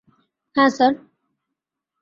হ্যা, স্যার।